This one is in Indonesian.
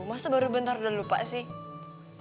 masa baru bentar dan lupa sih